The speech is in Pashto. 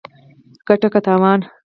ګټه که تاوان